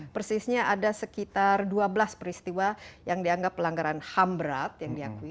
persisnya ada sekitar dua belas peristiwa yang dianggap pelanggaran ham berat yang diakui